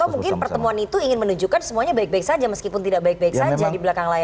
mungkin pertemuan itu ingin menunjukkan semuanya baik baik saja meskipun tidak baik baik saja di belakang layar